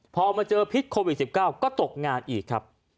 พอมาเจอพิษโควิด๑๙ก็ตกงานอีกครับ